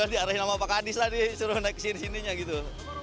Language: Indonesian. dari nama pak adis tadi suruh naik ke sini sininya gitu